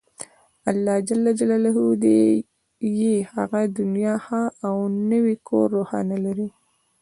الله ﷻ دې يې هغه دنيا ښه او نوی کور روښانه لري